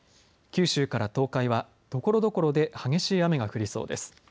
九州から東海はところどころで激しい雨が降りそうです。